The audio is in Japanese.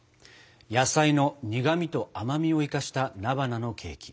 野菜の苦みと甘みを生かした菜花のケーキ。